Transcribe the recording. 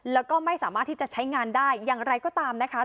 แล้วก็ไม่สามารถที่จะใช้งานได้อย่างไรก็ตามนะคะ